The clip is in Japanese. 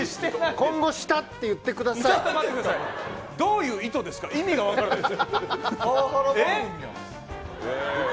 今後したって、言ってくださちょっと待ってください、どういう意図ですか、意味が分からないです。